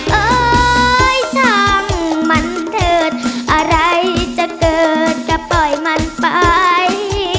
เอ้ยช่างมันเถิดอะไรจะเกิดก็ปล่อยมันไป